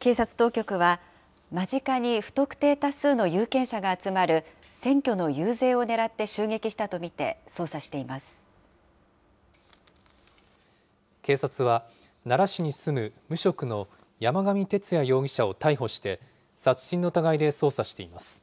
警察当局は、間近に不特定多数の有権者が集まる選挙の遊説を狙って襲撃したと警察は奈良市に住む無職の山上徹也容疑者を逮捕して、殺人の疑いで捜査しています。